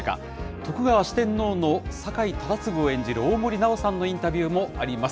徳川四天王の酒井忠次を演じる大森南朋さんのインタビューもあります。